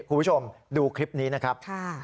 คุณผู้ชมดูคลิปนี้นะครับ